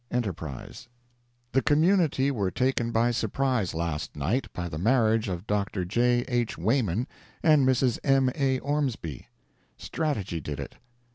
ENTERPRISE: The community were taken by surprise last night, by the marriage of Dr. J. H. Wayman and Mrs. M. A. Ormsby. Strategy did it.